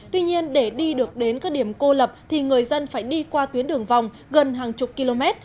tuy nhiên để đi được đến các điểm cô lập thì người dân phải đi qua tuyến đường vòng gần hàng chục km